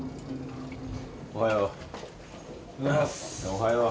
おはよう。